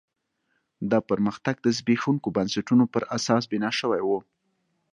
دا پرمختګ د زبېښونکو بنسټونو پر اساس بنا شوی و.